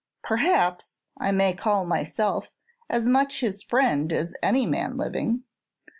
"Perhaps. I may call myself as much his friend as any man living."